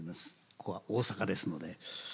ここは大阪ですので。